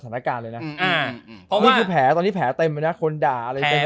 สถานการณ์เลยนะเพราะว่าแผลตอนนี้แผลเต็มเลยนะคนด่าแผล